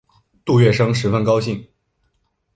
杜月笙十分高兴。